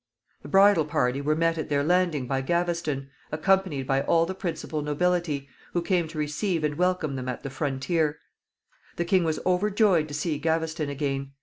The bridal party were met at their landing by Gaveston, accompanied by all the principal nobility, who came to receive and welcome them at the frontier. The king was overjoyed to see Gaveston again.